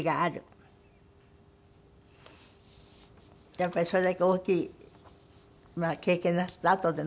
やっぱりそれだけ大きい経験なすったあとでの事だから。